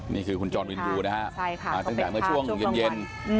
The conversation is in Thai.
นี่คือคุณจอลวินยูนะคะมาจากเมื่อช่วงเย็น